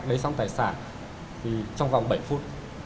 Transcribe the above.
lấy xong tài sản thì trong vòng bảy phút